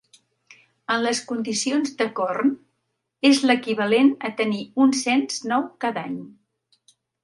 En les condicions d'Acorn, és l'equivalent a tenir un cens nou cada any.